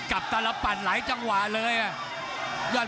ภูตวรรณสิทธิ์บุญมีน้ำเงิน